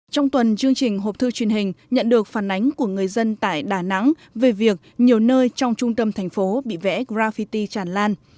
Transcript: trong tuần chương trình hộp thư truyền hình nhận được phản ánh của người dân tại đà nẵng về việc nhiều nơi trong trung tâm thành phố bị vẽ graffiti tràn lan